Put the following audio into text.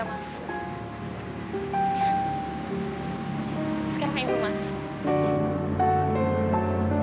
ibu percaya deh sama evita